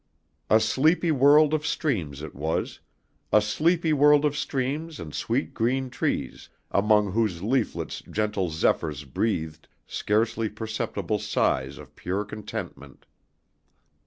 A sleepy world of streams it was, a sleepy world of streams and sweet green trees among whose leaflets gentle zephyrs breathed scarcely perceptible sighs of pure contentment.